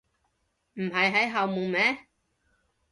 唔係喺後門咩？